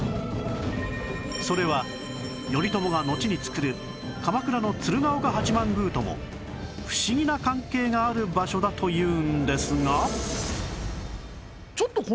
それは頼朝がのちに造る鎌倉の鶴岡八幡宮とも不思議な関係がある場所だというんですが